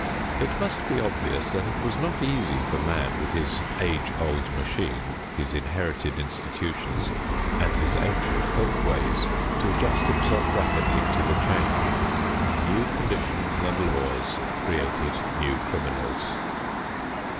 It must be obvious that it was not easy for man with his age old machine, his inherited institutions and his ancient folk ways, to adjust himself rapidly to the change. New conditions and laws created new criminals.